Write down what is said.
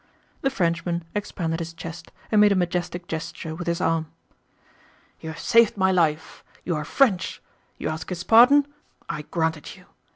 The Frenchman expanded his chest and made a majestic gesture with his arm. "You have saved my life! You are French. You ask his pardon? I grant it you.